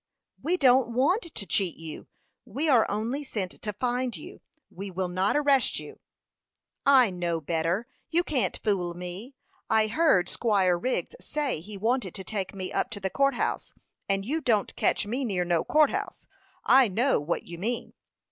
"We don't want to cheat you. We are only sent to find you. We will not arrest you." "I know better. You can't fool me. I heard Squire Wriggs say he wanted to take me up to the court house; and you don't catch me near no court house. I know what you mean."